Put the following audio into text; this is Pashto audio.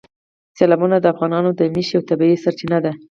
سیلابونه د افغانانو د معیشت یوه طبیعي سرچینه ده.